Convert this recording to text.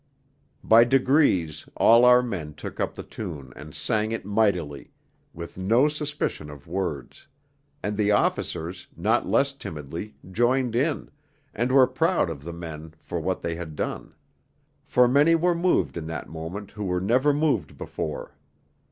By degrees all our men took up the tune and sang it mightily, with no suspicion of words; and the officers, not less timidly, joined in, and were proud of the men for what they had done. For many were moved in that moment who were never moved before.